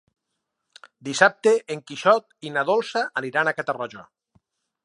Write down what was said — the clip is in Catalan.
Dissabte en Quixot i na Dolça aniran a Catarroja.